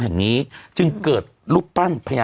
สวัสดีครับคุณผู้ชม